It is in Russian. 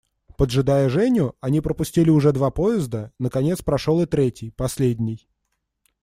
Поджидая Женю, они пропустили уже два поезда, наконец прошел и третий, последний.